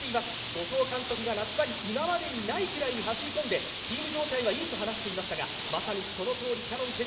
後藤監督、夏場に今までにないくらい走り込んで、チーム状態はいいと話していましたが、そのとおりキヤノン。